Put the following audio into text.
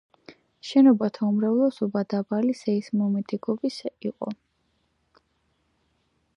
შენობათა უმრავლესობა დაბალი სეისმომედეგობის იყო.